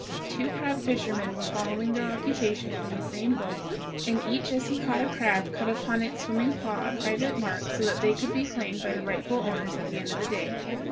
Two crab fishermen were following their occupation from the same boat, and each as he caught a crab cut upon its swimming claw a private mark so that they could be claimed by the rightful owners at the end of the day.